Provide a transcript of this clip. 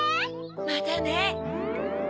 またね。